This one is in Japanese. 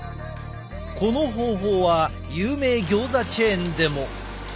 この方法は有名ギョーザチェーンでも。